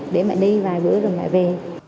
để mẹ đi vài bữa rồi mẹ về